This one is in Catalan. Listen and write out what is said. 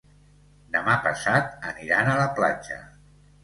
Demà passat aniran a la platja.